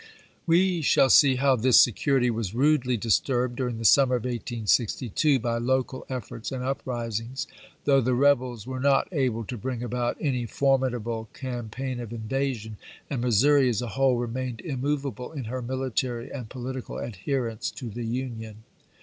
We shall see how this security was rudely disturbed during the summer of 1862 by local efforts and uprisings, though the rebels were not able to bring about any formidable campaign of invasion, and Missouri as a whole remained immovable in her military and political adherence to the Union.